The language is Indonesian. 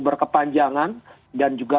berkepanjangan dan juga